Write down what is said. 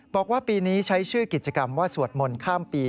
บอกว่าปีนี้ใช้ชื่อกิจกรรมว่าสวดมนต์ข้ามปี